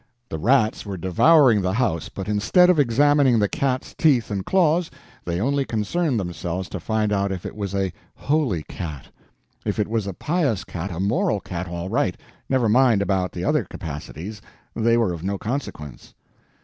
The rats were devouring the house, but instead of examining the cat's teeth and claws, they only concerned themselves to find out if it was a holy cat. If it was a pious cat, a moral cat, all right, never mind about the other capacities, they were of no consequence.